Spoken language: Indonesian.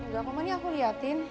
gak apa apa nih aku liatin